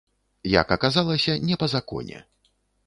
Як аказалася, не па законе.